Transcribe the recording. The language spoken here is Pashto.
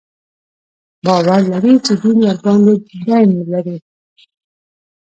باور لري چې دین ورباندې دین لري.